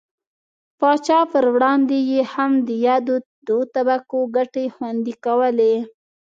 پاچا پر وړاندې یې هم د یادو دوو طبقو ګټې خوندي کولې.